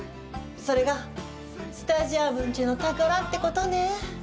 それがスタジアムンチュの宝ってことね。